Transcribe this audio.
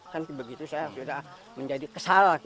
kan begitu saya sudah menjadi kesalah